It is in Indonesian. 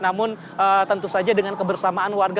namun tentu saja dengan kebersamaan warga